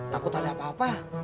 takut ada apa apa